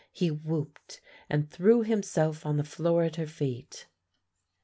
he whooped, and threw himself on the floor at her feet.